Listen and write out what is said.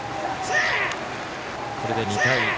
これで２対１。